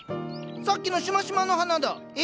さっきのしましまの花だ。え？